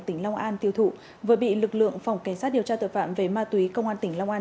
tỉnh long an tiêu thụ vừa bị lực lượng phòng cảnh sát điều tra tội phạm về ma túy công an tỉnh long an